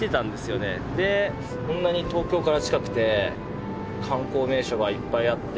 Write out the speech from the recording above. でこんなに東京から近くて観光名所がいっぱいあって。